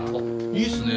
いいですね